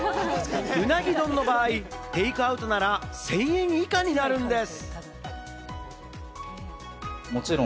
ウナギ丼の場合、テイクアウトなら１０００円以下になるんです！